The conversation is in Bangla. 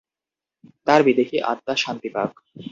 তাঁর বিদেহী আত্মা শান্তি পাক।